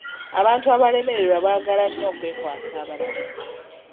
Abantu abalemererwa baagala nnyo okwekwasa abalala.